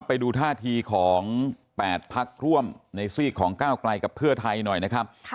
ไปดูท่าทีของ๘พักร่วมในซีกของก้าวไกลกับเพื่อไทยหน่อยนะครับ